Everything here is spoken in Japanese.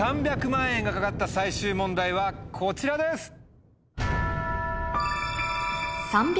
３００万円が懸かった最終問題はこちらです。